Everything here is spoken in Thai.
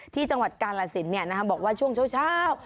ที่จังหวัดกาลสินบอกว่าช่วงเช้า